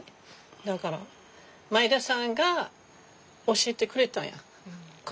だから前田さんが教えてくれたやん。